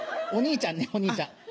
「お兄ちゃん」ね「お兄ちゃん」。